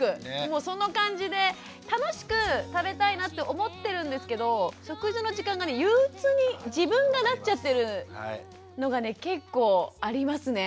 もうその感じで楽しく食べたいなって思ってるんですけど食事の時間が憂鬱に自分がなっちゃってるのがね結構ありますね。